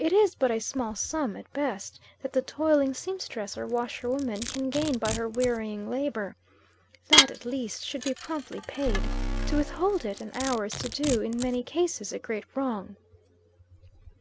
It is but a small sum, at best, that the toiling seamstress or washerwoman can gain by her wearying labor. That, at least, should be promptly paid. To withhold it an hour is to do, in many cases, a great wrong.'